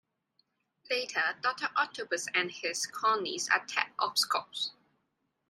Later, Doctor Octopus and his cronies attack OsCorp.